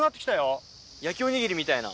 焼きおにぎりみたいな。